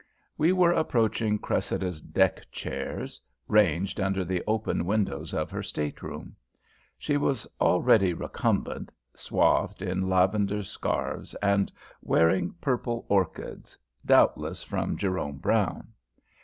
We were approaching Cressida's deck chairs, ranged under the open windows of her stateroom. She was already recumbent, swathed in lavender scarfs and wearing purple orchids doubtless from Jerome Brown.